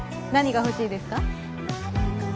何が欲しいですか？